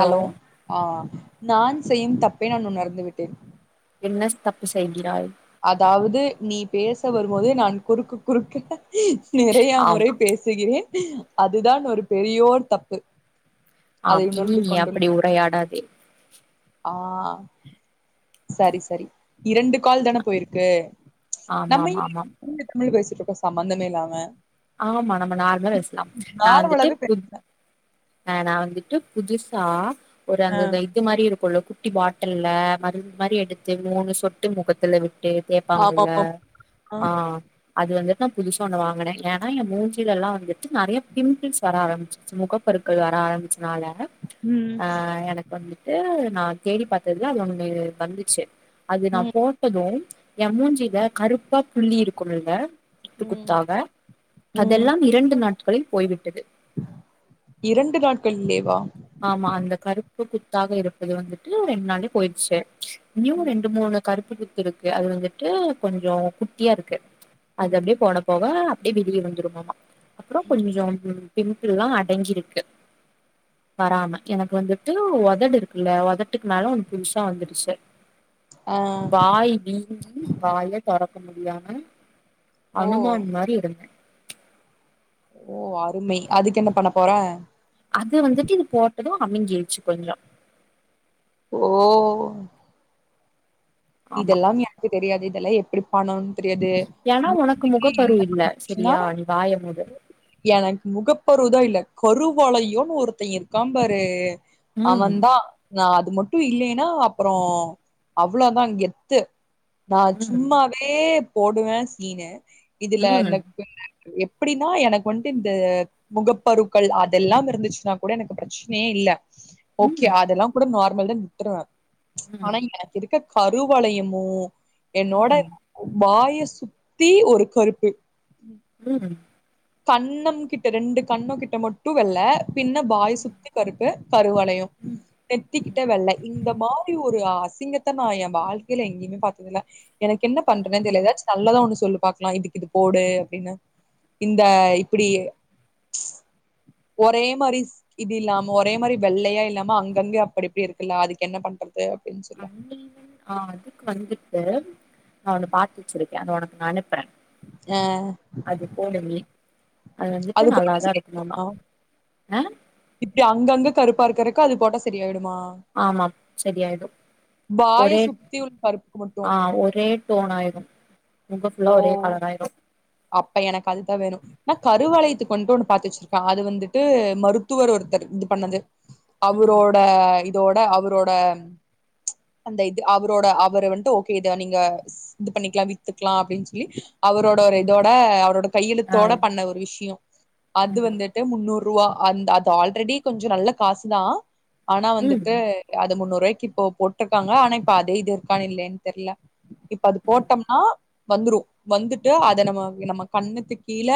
hello ஆ நான் செய்யும் தப்பே நான் உணர்ந்து விட்டே என்னஸ் தப்பு செய்கிறாய் அதாவுது நீ பேச வரும்போது நான் குறுக்கு குறுக்க நெறையா ஆம் முறை பேசுகிறேன் அதுதான் ஒரு பெரியோன் தப்பு அதை ஆம் இனி உணர்ந்து நீ கொண்டுள் அப்டி உரையாடாதே ஆ சரி சரி இரண்டு கால் தான போய்ருக்கு நம்ம ஆமாம் ஏ ஆமாம் [inaudible] தமிழ் பேசிட்ருக்கோ சம்பந்தமே இல்லாம ஆமா நம்ம நார்ம்ல பேஸ்லாம் நா வந்துட்டு நார்மலாவே கு பேசுறே அ நா வந்துட்டு புதுசா ஒரு ஆ அந்த இந்த இது மாறி இருக்குல்ல குட்டி பாட்டுல்ல மருந்து மாறி எடுத்து மூனு சொட்டு முகத்துல விட் டு தேப்பாங்கல்ல ஆமாமாம் ஆ அது வந்து நா புது ஒன்னு வாங்குனே ஏன்னா ஏ மூஞ்சிலெல்லா வந்துட்டு நெறையா பிம்பிள்ஸ் வர ஆரம்பிச்சிடுச்சு முகப் பொருட்கள் வர ஆரம்மிச் னால ம் அ எனக் வந்துட் ட்டு நா தேடி பாத்ததுல அது ஒன்னு வந்துச்சு அது நா ம் போட்டதும் ஏ மூஞ்சில கருப்பா புள்ளி இருக்குலங்க குத்து ம் குத்தாக ம் அதெல்லாம் இரண்டு நாட் களில் போய்விட்டது இரண்டு நாட்கள் லீவ்வா ஆமா அந்த கருப்பு குத்தாக இருப்பது வந்துட்டு ரெண்டு நாளே போயிடுச்சு ங்கயு ம் ரெண்டு மூணு கருப் [unintelligible] அது வந்துட்டு கொஞ்சோ குட்டியா இருக்கு அது ம் அப்படியே போடபோக [unintelligible] வந்துரும்மா அப்பறோ ம் கொஞ்சம் பிம்பில்லா அடங்கியிருக்கு வராம எனக்கு வந்துட்டு உதடு இருக்குல்ல உதட்டுக்கு மேல ஒன்னு புதுசா வந்துடுச்சு ஆ வாய் வீங்கி வாய தொறக் க்க முடியாம ஓ அனுமான் மாரியிருந்தே ஓ அருமை அதுக்கு என்ன பண்ண போற இதோ அமிங்கிருச்சு கொஞ்சோ ஓ ஆமா இதெல்லாம் எனக்கு தெரியாது இதெல்லா எப்புடி பன்னனுன் தெரியாது ஏன்னா உனக்கு மூஞ்சிக்கு முகப்பரு இல்ல என்னச்சுனா சரியா நீ வாய மூடு எனக்கு முகப்பருவு தா இல்ல கருவலையோன்னு ஒருத்த இருக்காம்பாரு ம் அவந்தா நா அது மட்டு இல்லேன்னா அப்றோ அவ்ளோ தா கெத்து நா ம் சும்மாவே போடுவே சீனு இதுல ம் இந்த [unintelligible] எப்படீன்னா எனக்கு வந்ட்டு இந்த முகப்பருக்கள் அதெல்லாம் இருந்துச்சுன்னா கூட எனக்கு ப்ரெச்சனையே இல்ல ஓகே ம் அதெல்லா கூட நார் மல் தா விட்டுருவே ச்ச ம் ஆனா எனக்கிருக்க கருவளையமு என்னோட ம் வாய சுத்தி ஒரு கருப்பு உம் கண்ணம் கிட்ட ரெண்டு கண்ணோ கிட்ட மட்டு வெல்ல பின்ன வாய் சுத்தி கருப்பு கருவலயோ நெத்திக்கிட்ட வெள்ள இந்த மாரி ஒரு அசி ங்கத்த நா எ வாழ்க்கேய்ல எங்கிமே பாத்ததில்ல எனக் என்ன பண்றதுன்னே தெர்ல எதாச்சு நல்ல தா ஒன்னு சொல்லு பாக்லா இதுக்கு இது போடு அப்டின்னு இந்த இப்புடி ச்ச ஒரே மாரி இது இல்லாம ஒரே மாரி வெள்ளையா இல்லாம அங்க அங்க அப்படி இப்டி இருக்குல்ல அதுக்கு என்ன பண்றது அப்டின்னு சொல்லு அன் ஈவன் அ அதுக்கு வந்துட்டு நா ஒன்னு பாத்து வெச்சுருக்கே அத உனக்கு நா அனுப்புற அது போடு நீ அது வந்துட்டு நல்லாதா இருக்குமாமா போட்டா அ இப்டி அங்கங்க கருப்பா இருக்கறக்கு அது போட்டா செரியாய்டு ஆமாம் செரி ஆயிடு வாய ஒரே சுத்தி உள்ள கருப்புக்கு மட்டு அ ஒரே டோனாயிறு முக ஃபுல்லா ஓ ஒரே கலராயிரு அப்ப எனக்கு அதுதா வேணு நா கருவலயத்க்கு வந்து ஒண்ணு பாத்து வெச் க அது வந்துட்டு மருத்துவர் ஒருத்தர் இது பண்ணது ம் அவுரோட இதோட அவுரோட ம் ச்ச அந்த இது அவுரோட அவுர வந்துட்டு ஓகே இத நீங்க சி இது பண்ணிக்லா வித்துக்லா அப்டின் சொல்லி அவரோட ஒரு ம் தோட அவரோட ஆ கையெழுத்தோட பண்ண ஒரு விஷ்யொ அது ம் வந்துட்டு முன்னூறு ருவா அந் அது ஆல்ரெடி கொஞ்சொ நல்ல காசுதா ஆனா ம் வந்துட்டு அது முன்னூறுவாய்க் கிப்போ போட்ருக்காங்ளா ஆனா இப்ப அதே இது இருக்கானு இல்லயான்னு தெர்ல இப்ப அது ம் போட்டம்னா வந்துரு வந்துட்டு அத நம்ம நம் நம்ம கண்ணுக்கு கீழ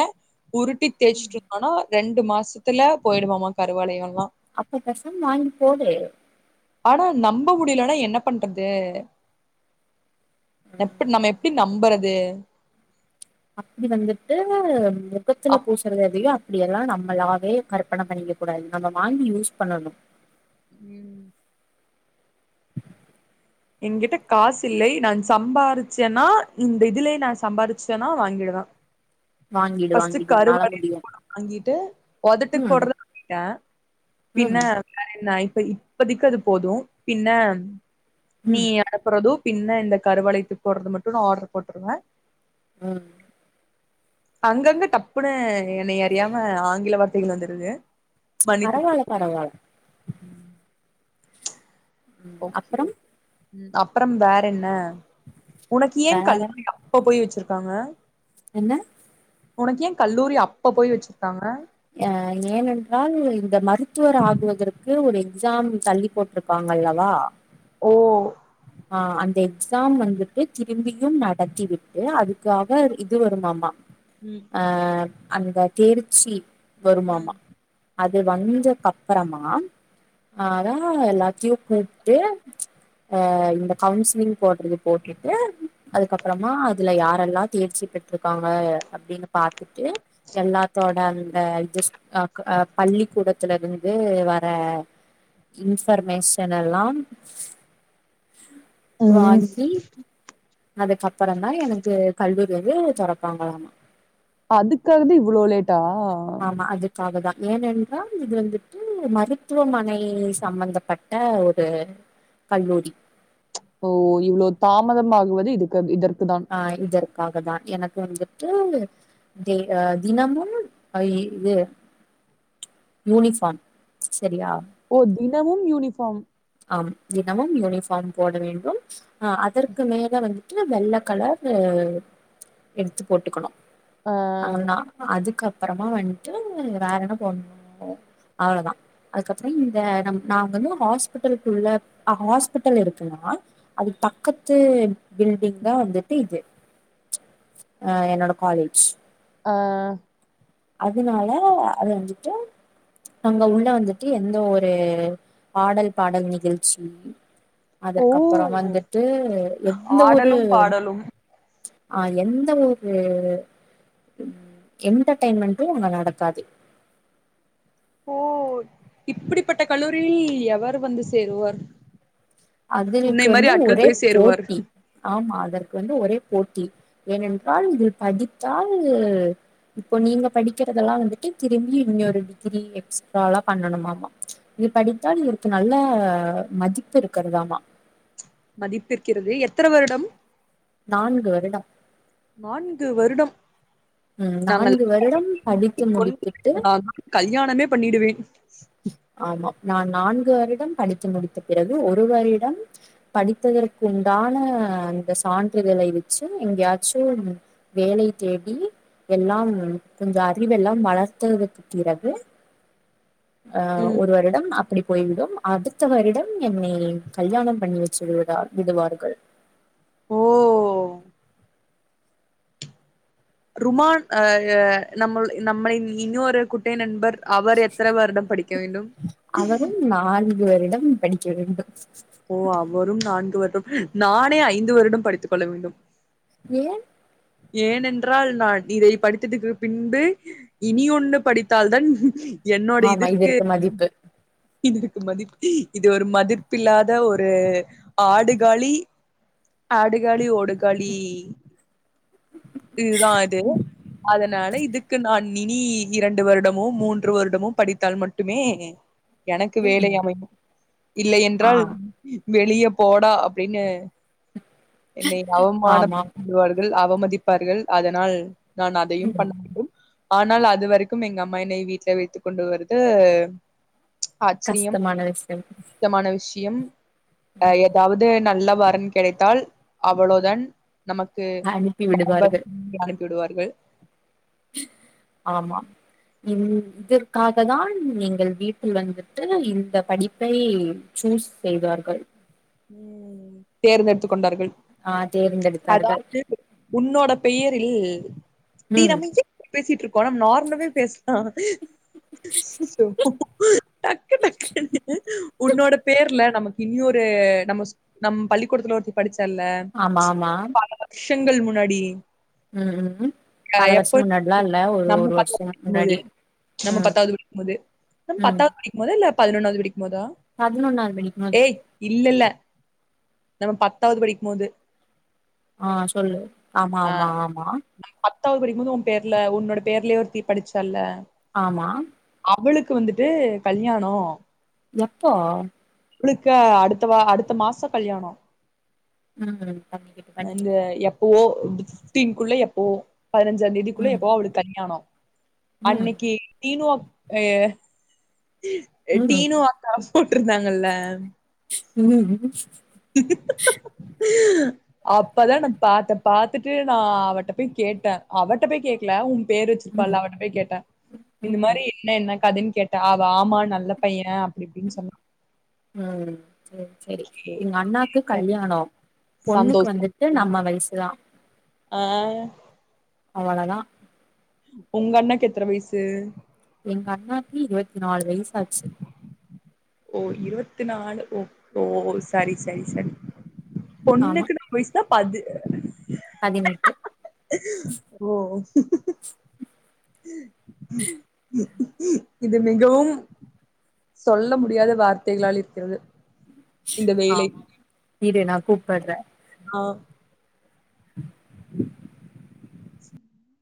உருட்டி தேச்சுட்டுருந்தொனா ரெண் டு மாசத்துல போயிடுமாமா கருவலயொல்லா அப்பொ பெசாம் வாங்கி போடு ஆனா நம்ப முடியலன்னா என்ன பண்றது எப்டி நம்ம எப்டி நம்புற து அப்டி வந்துட்டு மொகத்துல அப் பூசறததியா டியெல்லா நம்மளாவே கற்பன பண்ணிக்க கூடாது நம்ம வாங்கி யூஸ் பண்ணணு ம் எங்கிட்ட காசு இல்லை நான் சம்பாரிச்சேன்னா இந்த இதுலயே நா சம்பாரிச்சுட்டன்னா வாங்கிடுவ வாங்கிடு ஃபஸ்ட் வாங்கிடு உன்னால கருவளைய முடியு [inaudible] வாங்கிட்டு ஒதட்டுக் ம் போடுறத வாங்கிட்ட பின்ன ம் வேற என்ன இ இப்பதைக்கு அது போதும் பின்ன நீ ம் அனுப்பறது பின்ன இந்த கருவளையத்துக் போடுறது மட்டு நா ஆட்ரு போட்டுருவ உம் அங்கங்க டப்புன்னு என்னை அறியாம ஆங்கில வார்த்தைகள் வந்துருது மன்னித்து பராவல பராவல ம் உம் அப்பறம் உம் அப்பறம் வேற என்ன உனக்கு ஏன் வேற கல் [inaudible] அப்ப போய் வச்சிருக் க்காங்க என்ன உனக்கு ஏன் கல்லூரி அப்ப போய் வச்சிருக்காங்க அஹ் ஏனென்றால் இந்த மருத்துவர் ஆகவதற்கு ஒரு எக்ஸாம் தள்ளி போட்ருக்காங்கல்லவா ஓ ஆஹ் அந்த எக்ஸாம் வந்துட்டு திரும்பியும் நடத்தி விட்டு அதுக்காக இது வருமாமா ம் ஆஹ் அந்த தேர்ச்சி ம் வருமாமா அது வந்தக்கப்புறமா ஆனா எலத்தியும் கூப்பிட்டு அ இந்த கவுன்சிலிங் போடுறது போட்டுட்டு அதுக்கப்புறமா அதுல யாரெல்லாம் தேர்ச்சி பெற்றிருக்காங்க அப்படின்னு பா த்துட்டு எல்லாத்தோட அ பள்ளிக்கூடத்துல இருந்து வர இன்ஃபர்மேஷன் எல்லா ம் வாங்கி அதுக்கப்பறம தா எனக்கு கல்லூரி வந்து தறப்பாங்களாமா அதுக்காக தா இவ்வளோ லே ஆமா அதுக்காகதா ஏனென்றால் இது வந்துட்டு மருத்துவமனை சம்பந்தப்பட்ட ஒரு கல்லூரி ஓ இவ்வளோ தாமதம்மாகுவது இதுக்கு இதற்கு தான் ஆ இதற்காக தா எனக்கு வந்து தினமும் இது யூனிபார்ம் சரியா ஓ தினமும் யூனிஃபார்ம் ஆம் தினமும் யூனிஃபார்ம் போட வேண்டும் ஆ அதற்கு மேல வந்து வெள்ள கலர் எடுத்து போட்டுக்கணும் ஆ அவளோ தா அதுக்கு அதுக்கப்பறம் வந்துட்டு வேற என்ன போண்ணும் அவ்வளவுதா அதுக்கப்புறம் இந்தம நாங்க வந்து ஹ ஹாஸ்பிட்டல் குள்ள என்னோட காலேஜ் ஹாஸ்பிட்டல் இருக்குன்னா அது பக்கத்து பில்டிங் தா வந்துட்டு இது என்னோட காலேஜ் ஆ அதுனால அது வந்துட்டு அங்க உள்ள வந்துட்டு எந்த ஒரு ஆடல் பாடல் நிகழ்ச்சி ஓ அதுக்கப்புறம் வந்துட்டு எந்த ஒரு ஆடலும் பாடலும் ஆ எந்த ஒரு என்டர்டெயன்மெண்டும் அங்க நடக்காது ஓ இப்படிப்பட்ட கல்லூரி எவர் வந்து சேருவார் அதுக்கு உன்னை மாரி வந்து ஆட்கள் ஒரே போய் சேருவார் போட்டி ஆமா அதற்கு வந்து ஒரே போட்டி ஏனென்றால் இதில் படித்தால் இப்போ நீங்க படிக்கிறதெல்லாம் வந்துட்டு திரும்பி இன்னொரு டிகிரி எக்ஸ்ட்ரா எல்லா பண்ணணுமாமா இது படித்தால் இதுக்கு நல்ல மதிப்பு இருக்கு கிறதாமா மதிப்பிருக்கிறது எத்தன வருடம் நான்கு வருடம் நான்கு வருடம் ம் நம்மல் நான்கு வருடம் படித்து கொண் முடித்து கல்யாணமே பண்ணிடுவேன் ஆமா நான் நான்கு வருடம் படித்து முடித்த பிறகு ஒரு வருடம் படித்ததற்கு உண்டான அந்த சான்றிதழை வச்சு எங்கயாச்சும் வேலை தேடி எல்லாம் கொஞ்சம் அறிவெல்லாம் வளர்த்ததுக்கு பிறகு ஆ ம் ஒரு வருடம் அப்படி போய்விடும் அடுத்த வருடம் என்னை கல்யாணம் பண்ணி வச்சிர விடுவார்கள் ஓ ருமான் அ நம்ம நம்மளின் இன்னொரு குட்டய நண்பர் அவர் எத்தனை வருடம் படிக்க வேண்டும் இவரிடம் படிக்க வேண்டும் ஓ அவரும் நான்கு வரு நானே ஐந்து வருடம் படித்துக் கொள்ள வேண்டும் ஏன் ஏனென்றால் நான் இதை படித்ததுக்கு பின்பு இனி ஒண்ணு படித் தால் தான் ஆமா இது இவருக்கு மதிப்பு இதுக்கு மதிப்பு இது ஒரு மதிப்பு இல்லாத ஒரு ஆடுகாலி ஆடுகாலி ஓடுகாலி இதுதான் அது அதனால இதுக்கு நான் இனி இரண்டு வருடமும் மூன்று வருடமும் படித்தால் மட்டுமே எனக்கு வேலை ம் அமையும் இல்லை ஆ என்றால் வெளியே போடா அப்டின்னு என்னை ஆமா அவமானம்படுத்திவிடுவார்கள் அவமதி ப்பார்கள் அதனால் நான் அதையும் பண்ண ம் வேண்டும் ஆனால் அது வரைக்கும் எங்க அம்மா என்னை வீட்ல வைத்துக் கொண்டு வருது ஆச்சரியம் கஷ்டமான விஷயம் முக்கயமான விஷ் முக்கியம் அ ம் ஏதாவது நல்ல வரன் கிடைத்தால் அவ்வளோதான் நமக்கு அனுப்பி விடுவார்கள் [unintelligible] விடுவார்கள் ஆமாம் இ இதற்காக அதுதான் நீங்கள் வீட்டில் வந்துட்டு இந்த படிப்பை சூஸ் செய்தார்கள் ம் தேர்ந்தெடு த்து கொண்டார்கள் ஆ தேர்ந்தெடுத்தார்கள் அதாவது உன்னோட பெயர் ப்பில் தீ ம் நம்ம ஏன் இப் பேசிட்டுருக்கோ நம்ம நார்மலாவே பேசலா அச்சச்சோ டக்கு டக்குன்னு உன்னோட பேர்ல நமக்கு இனியொரு நம்ம ஸ் நம் பள்ளிக்கூடத்துல ஒருத்தி படிச்சா ல்ல ஆமா ச் ஆமா பெண்கள் முன்னாடி ம் ம் அ பல எப்பொ வருஷம் முன்னாடிலா இல்ல ஒரு நம்ம ஒரு வருஷம் [unintelligible] போது முன்னாடி நம்ம ம் பத்தாவது படிக்கும்போது நம்ம ம் பத்தாவது படிக்கும்போதா இல்ல பதினொன்னாவது படிக் போதா பதினொன்னாவது படிக்கும்போது ஏய் இல்லல்ல நம்ம பத்தாவது படிக்ம்போது ஆஹ் சொல்லு ஆமா ஆமா ஆமா பத்தாவ்து படிக்கும்போது ஓ பேர்ல ஒன்னோட பேர்லயே ஒருத்தி படிச்சால ஆமா அவளுக்கு வந்துட்டு கல்யாணோ எப்போ அவளுக்கா அடுத்த வா அடுத்த மாசொ கல்யாணோ ம் பண்ணிக்கிட்டு இந்த பண்ணிக்கிட்டு எப்பவோ பிஃப்டீன்குள்ள எப் ஓ பதினஞ்சா தேதிக்குள ம் எப்பொவோ அவளுக்கு கல்யாணோ ம் அன்னைக்கி டீனு அப் அய ம் டீனூ அக்கா போட்ருந்தாங்கல்ல [unintelligible] அப்பதா நா பாத்த பாத்துட்டு நா அவட்ட போய் கேட்டே அவட்ட போய் கேக்கல உ பேரு வச்சிருப்பாள ம் அவட்டபெய் கேட்டேன் இந்த ம் மாரி என்ன என்ன கதைன் கேட்டா அவ ஆமா நல்ல பைய அப்டி இப்டின் சொன்னா ம் சேர் செரி சரி எங்க அண்ணாக்கு கல்யாணோ பொண்ணுக்கு சந்தோஷம் வந்துட்டு அப்டின்னு நம்ம வயசுதா ஆ அவ்வளொதா உங்க அண்ணாக்கு எத்தன வயசு எங்க அண்ணாக்கு இருவத் தி நாலு வயசாச்சு ஓ இருவத்தி நாலு ஒ ஓ சரி சரி சரி ஆமா பொண்ணுக்கு நம்வய்ஸ் த பது பதினெட்டு ஓ ம் ம் இது மிகவு ஆமா இரு நா கூப்பட்ற ஆ [inaudible] [inaudible]